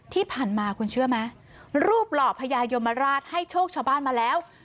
ที่ผ่านมาคุณเชื่อไหมรูปหล่อพญายมราชให้โชคชาวบ้านมาแล้ว